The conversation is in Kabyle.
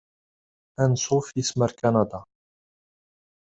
Ansuf yis-m ar Kanada!